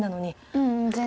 ううん全然。